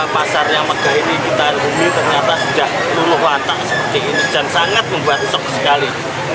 pemegang ini kita lihat ini ternyata sudah luluh lantang seperti ini dan sangat membuat sok sekali